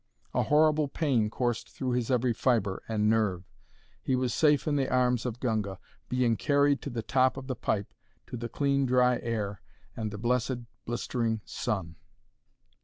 A horrible pain coursed through his every fibre and nerve. He was safe in the arms of Gunga, being carried to the top of the pipe to the clean dry air, and the blessed, blistering sun.